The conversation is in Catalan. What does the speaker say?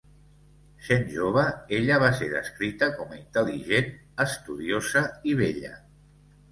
Sent jove, ella va ser descrita com a intel·ligent, estudiosa, i bella.